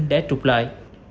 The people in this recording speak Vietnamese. để trục lợi